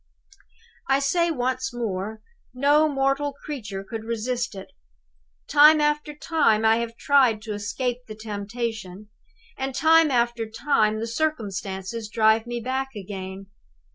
"I say once more, no mortal creature could resist it! Time after time I have tried to escape the temptation; and time after time the circumstances drive me back again.